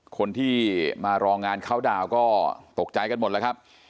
คนที่มารองานเข้าดาวนก็ตกใจกันหมดแล้วครับ